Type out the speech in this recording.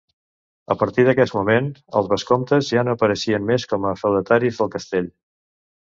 A partir d'aquest moment, els vescomtes ja no apareixen més com a feudataris del castell.